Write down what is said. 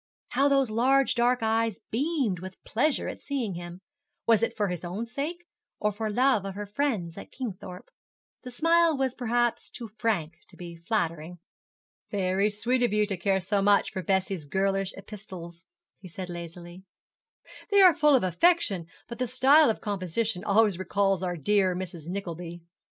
How those large dark eyes beamed with pleasure at seeing him! Was it for his own sake, or for love of her friends at Kingthorpe? The smile was perhaps too frank to be flattering. 'Very sweet of you to care so much for Bessie's girlish epistles,' he said lazily; 'they are full of affection, but the style of composition always recalls our dear Mrs. Nickleby.